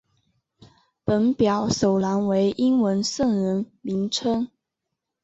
本表首栏为英文圣人名称。